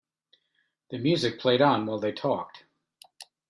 The music played on while they talked.